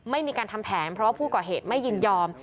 ไม่มีการทำแผนเพราะว่าผู้ก่อเหตุไม่ยินยอม